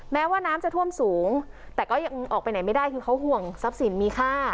แม้ว่าน้ำจะท่วมสูงแต่ก็ยังออกไปไหนไม่ได้คือเขาห่วงทรัพย์สินมีค่า